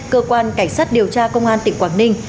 cơ quan cảnh sát điều tra công an tỉnh quảng ninh